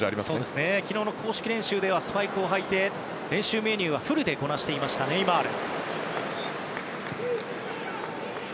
昨日の公式練習ではスパイクを履いて練習メニューはフルでこなしていたネイマール。